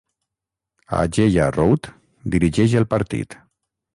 Ajeya Rout dirigeix el partit.